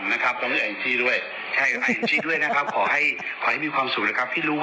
พี่กับพี่น้อยเป็นกำลังใจให้นะครับข่าวใส่ไข่ครับ